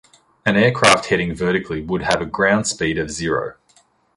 An aircraft heading vertically would have a ground speed of zero.